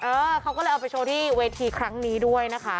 เออเขาก็เลยเอาไปโชว์ที่เวทีครั้งนี้ด้วยนะคะ